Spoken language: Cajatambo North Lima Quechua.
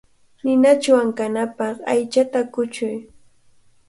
Ninachaw ankanapaq aychata kuchuy.